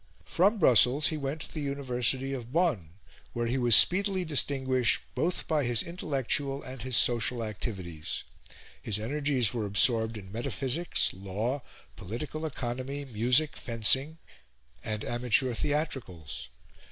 From Brussels he went to the University of Bonn, where he was speedily distinguished both by his intellectual and his social activities; his energies were absorbed in metaphysics, law, political economy, music, fencing, and amateur theatricals.